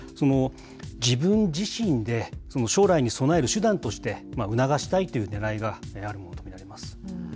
自分自身で将来に備える手段として促したいというねらいがあると考えられます。